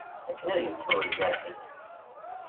Akken ad d-yesfeḍ lğerḥ-is.